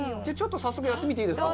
じゃあ、ちょっと、早速やってみていいですか？